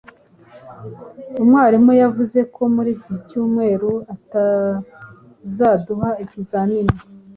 Umwarimu yavuze ko muri iki cyumweru atazaduha ikizamini.